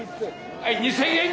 はい２，０００円で！